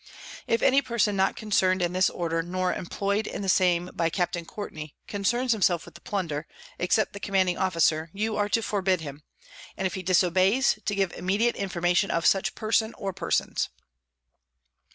_ If any Person not concern'd in this Order, nor employ'd in the same by Capt. Courtney, _concerns himself with the Plunder, except the Commanding Officer, you are to forbid him; and if he disobeys, to give immediate Information of such Person or Persons.